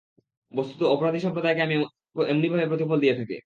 বস্তুত অপরাধী সম্প্রদায়কে আমি এমনিভাবে প্রতিফল দিয়ে থাকি।